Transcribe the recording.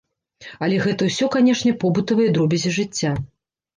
Але гэта ўсё канешне побытавыя дробязі жыцця.